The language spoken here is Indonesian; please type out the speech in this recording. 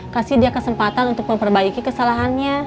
kasih dia kesempatan untuk memperbaiki kesalahannya